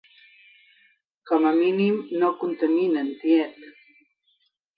Com a mínim no contaminen, tiet.